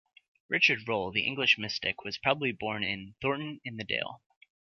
Richard Rolle, the English mystic, was probably born in Thornton in the Dale.